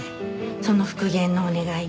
その復元のお願いに。